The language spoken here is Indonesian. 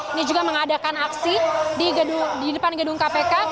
ini juga mengadakan aksi di depan gedung kpk